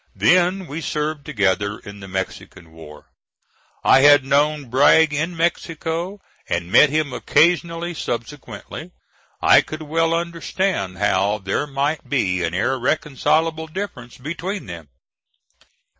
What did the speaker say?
Then we served together in the Mexican War. I had known Bragg in Mexico, and met him occasionally subsequently. I could well understand how there might be an irreconcilable difference between them.